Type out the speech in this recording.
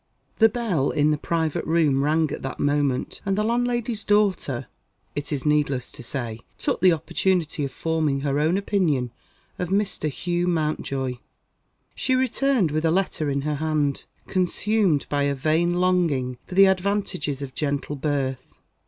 The bell in the private room rang at that moment; and the landlady's daughter, it is needless to say, took the opportunity of forming her own opinion of Mr. Hugh Mountjoy. She returned with a letter in her hand, consumed by a vain longing for the advantages of gentle birth.